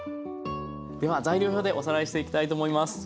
では材料表でおさらいしていきたいと思います。